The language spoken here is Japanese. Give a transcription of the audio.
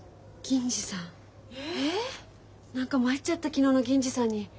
何か参っちゃった昨日の銀次さんに。